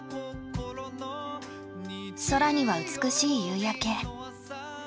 空には美しい夕焼け。